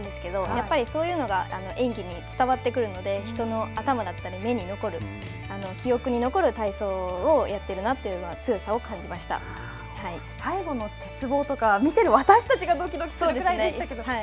やっぱりそういうのが演技に伝わってくるので人の頭だったり目に残る記憶に残る体操をやってるなというのは最後の鉄棒とかは見ている私たちがどきどきするぐらいでしたけど。